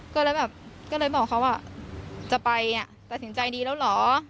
ก็เลยแบบก็เลยบอกเขาว่าจะไปตัดสินใจดีแล้วเหรอ